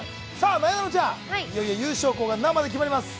なえなのちゃん、いよいよ優勝校が生で決まります。